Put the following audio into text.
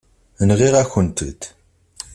Nɣiɣ-akent-tent.